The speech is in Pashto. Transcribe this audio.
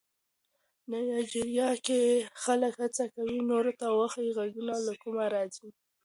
نایجیریا کې خلک هڅه کوي نورو ته وښيي غږونه له کومه راځي.